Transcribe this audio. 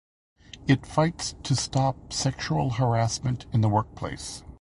It fights to stop sexual harassment in the workplace.